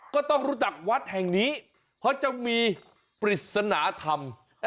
ก็ต้องรู้จักวัดแห่งนี้เพราะจะมีปริศนธรรม